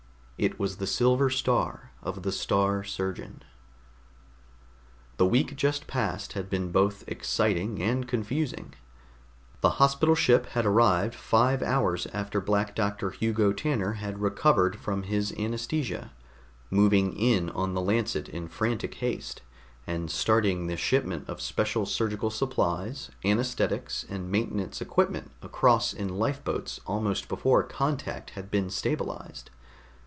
It was the silver star of the Star Surgeon. The week just past had been both exciting and confusing. The hospital ship had arrived five hours after Black Doctor Hugo Tanner had recovered from his anaesthesia, moving in on the Lancet in frantic haste and starting the shipment of special surgical supplies, anaesthetics and maintenance equipment across in lifeboats almost before contact had been stabilized.